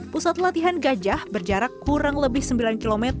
pusat latihan gajah berjarak kurang lebih sembilan km